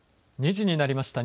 ２時になりました。